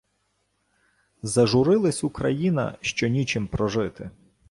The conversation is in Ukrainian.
«Зажурилась Україна, що нічим прожити…»